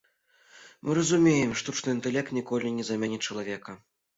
Мы разумеем, штучны інтэлект ніколі не заменіць чалавека.